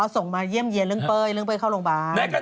ส่งมาเยี่ยมเยี่ยเรื่องเป้ยเรื่องเป้ยเข้าโรงพยาบาล